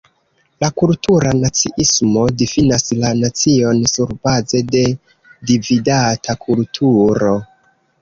La "kultura naciismo" difinas la nacion surbaze de dividata kulturo.